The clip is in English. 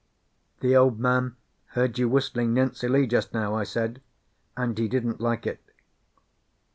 "The Old Man heard you whistling 'Nancy Lee,' just now," I said, "and he didn't like it."